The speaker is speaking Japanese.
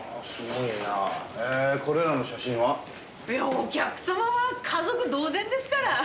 お客様は家族同然ですから。